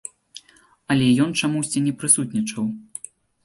Але ён чамусьці не прысутнічаў.